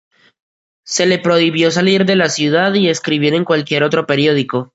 Se le prohibió salir de la ciudad y escribir en cualquier otro periódico.